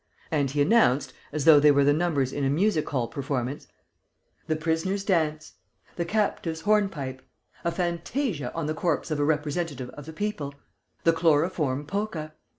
And he announced, as though they were the numbers in a music hall performance: "The prisoner's dance!... The captive's hornpipe!... A fantasia on the corpse of a representative of the people!... The chloroform polka!...